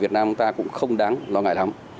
việt nam ta cũng không đáng lo ngại lắm